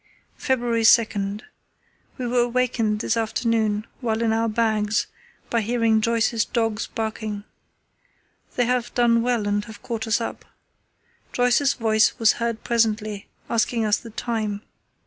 "February 2.—We were awakened this afternoon, while in our bags, by hearing Joyce's dogs barking. They have done well and have caught us up. Joyce's voice was heard presently, asking us the time.